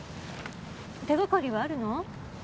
手がかりはあるの？